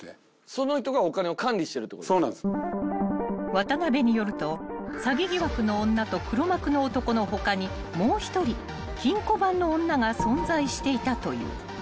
［渡邉によると詐欺疑惑の女と黒幕の男の他にもう１人金庫番の女が存在していたという］